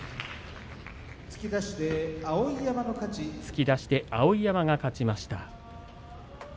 突き出して碧山が勝ちました。